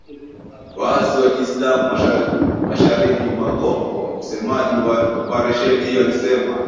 waasi wa kiislam mashariki mwa Kongo, msemaji wa oparesheni hiyo alisema